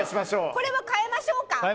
これは変えましょうか。